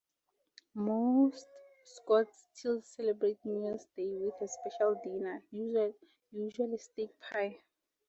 Most Scots still celebrate New Year's Day with a special dinner, usually steak pie.